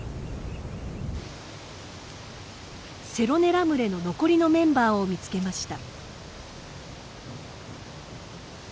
セロネラ群れの残りのメンバーを見つけました。